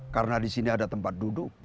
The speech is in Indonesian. karena disini ada tempat duduk